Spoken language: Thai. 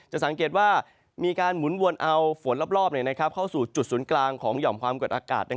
สังเกตว่ามีการหมุนวนเอาฝนรอบเข้าสู่จุดศูนย์กลางของหย่อมความกดอากาศ